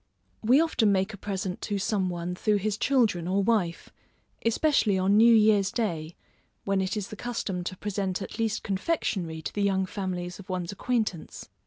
We often make a present to some one through his children or wife, especially on new year's day, when it is the custom to present at least confectionary to the young families of one's acquaintance.